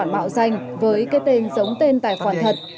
mấy cái tên giống tên tài khoản thật